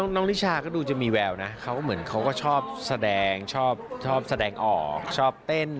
น้องนิชาก็ดูจะมีแววนะเขาเหมือนเขาก็ชอบแสดงชอบแสดงออกชอบเต้น